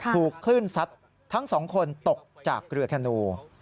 ถูกคลื่นซัดทั้งสองคนตกจากเรือแคนู